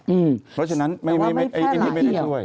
เพราะฉะนั้นไอ้นี่ไม่ได้ช่วย